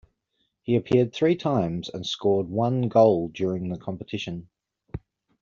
He appeared three times and scored one goal during the competition.